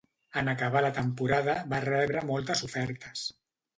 En acabar la temporada, va rebre moltes ofertes.